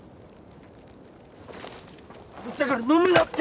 だから飲むなって！